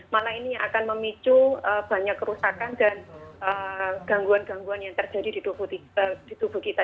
malah ini yang akan memicu banyak kerusakan dan gangguan gangguan yang terjadi di tubuh kita